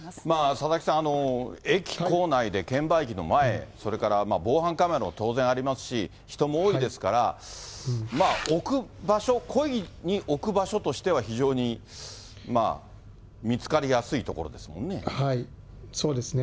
佐々木さん、駅構内で券売機の前、それから防犯カメラも当然ありますし、人も多いですから、置く場所、故意に置く場所としては非常にまあ、そうですね。